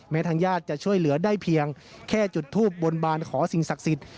ทางญาติจะช่วยเหลือได้เพียงแค่จุดทูบบนบานขอสิ่งศักดิ์สิทธิ